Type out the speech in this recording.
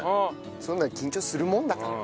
そんなん緊張するもんだから。